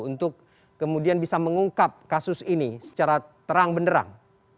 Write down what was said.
untuk kemudian bisa mengungkap kasus ini secara terang benderang